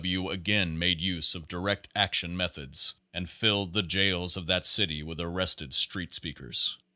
W. W. again made use of "direct action" methods, and filled the jails of that city with arrested street speakers.